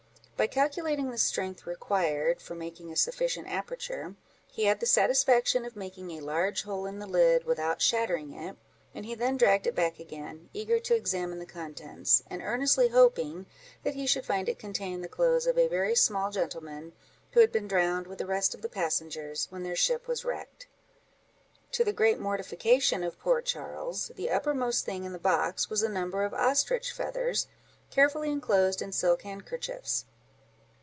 By calculating the strength required for making a sufficient aperture, he had the satisfaction of making a large hole in the lid without shattering it, and he then dragged it back again, eager to examine the contents, and earnestly hoping that he should find it contain the clothes of a very small gentleman, who had been drowned, with the rest of the passengers, when their ship was wrecked. To the great mortification of poor Charles, the uppermost thing in the box was a number of ostrich feathers, carefully enclosed in silk handkerchiefs.